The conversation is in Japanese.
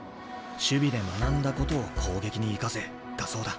守備で学んだことを攻撃に生かせ」だそうだ。